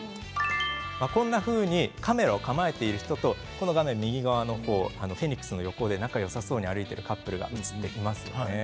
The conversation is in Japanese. こんなふうにカメラを構えている人と画面右側の方がフェニックスの横で仲よさそうに歩いているカップルが写っていますね。